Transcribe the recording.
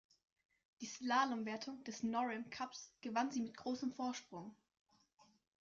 Die Slalomwertung des Nor-Am Cups gewann sie mit großem Vorsprung.